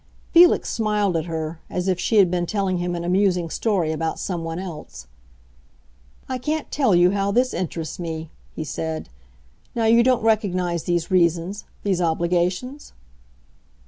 Felix smiled at her, as if she had been telling him an amusing story about someone else. "I can't tell you how this interests me," he said. "Now you don't recognize these reasons—these obligations?"